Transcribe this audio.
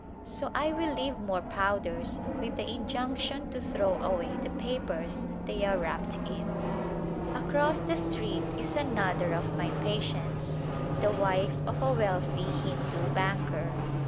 So I will leave more powders with the injunction to throw away the papers they are wrapped in. [ 104] As M Saw It Across the street is another of my patients, the wife of a wealthy Hindu banlcer.